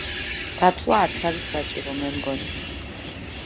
დათვლა არც არის საჭირო, მე მგონი.